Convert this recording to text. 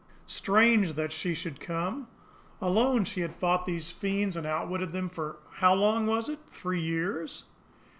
Strange that she should come! Alone she had fought these fiends and outwitted them for how long was it? Three years!